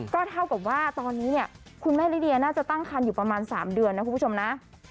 เท่ากับว่าตอนนี้คุณแม่รีเดียน่าจะตั้งคันอยู่ประมาณ๓เดือนนะ